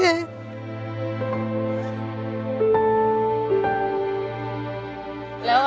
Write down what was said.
อืม